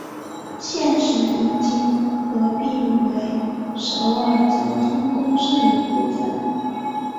现时已经合并为首尔交通公社一部分。